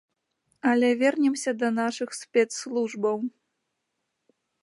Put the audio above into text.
Але вернемся да нашых спецслужбаў.